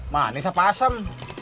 manis apa asem